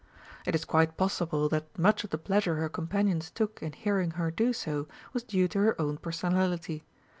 It is quite possible that much of the pleasure her companions took in hearing her do so was due to her own personality.